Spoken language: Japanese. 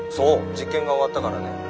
実験が終わったからね。